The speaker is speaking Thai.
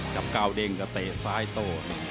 เก่าเด้งก็เตะซ้ายโต้